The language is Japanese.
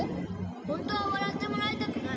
ほんとはわらってもらいたくない。